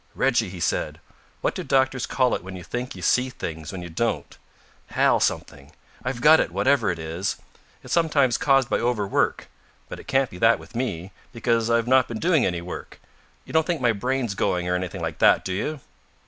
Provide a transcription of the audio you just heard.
"Reggie," he said, "what do doctors call it when you think you see things when you don't? Hal something. I've got it, whatever it is. It's sometimes caused by overwork. But it can't be that with me, because I've not been doing any work. You don't think my brain's going or anything like that, do you?"